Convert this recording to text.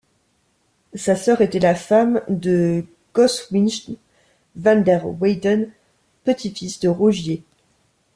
Sa sœur était la femme de Goswijn van der Weyden, petit-fils de Rogier.